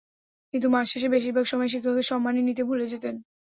কিন্তু মাস শেষে বেশির ভাগ সময়েই শিক্ষকের সম্মানী নিতে ভুলে যেতেন।